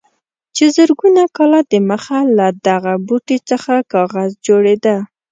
چې زرګونه کاله دمخه له دغه بوټي څخه کاغذ جوړېده.